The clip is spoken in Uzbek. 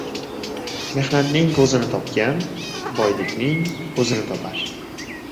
Mehnatning ko'zini topgan, boylikning o'zini topar.